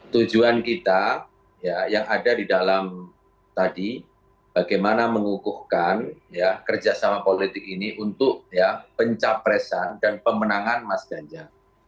tujuan kita yang ada di dalam tadi bagaimana mengukuhkan kerjasama politik ini untuk pencapresan dan pemenangan mas ganjar